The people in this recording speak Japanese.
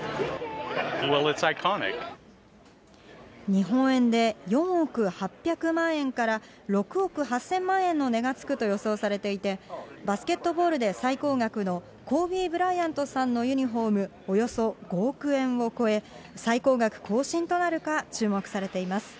日本円で４億８００万円から６億８０００万円の値がつくと予想されていて、バスケットボールで最高額のコービー・ブライアントさんのユニホームおよそ５億円を超え、最高額更新となるか注目されています。